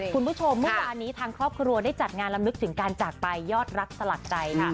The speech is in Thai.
คุณผู้ชมเมื่อวานนี้ทางครอบครัวได้จัดงานลำลึกถึงการจากไปยอดรักสลักใจค่ะ